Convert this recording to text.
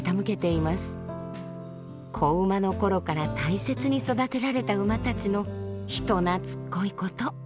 子馬の頃から大切に育てられた馬たちの人なつっこいこと。